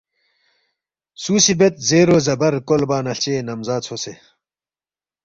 سوسی بید زیرو زبر کولبہ نہ ہلچے نمزہ ژھوسے